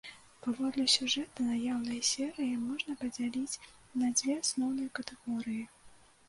Паводле сюжэта, наяўныя серыі можна падзяліць на дзве асноўныя катэгорыі.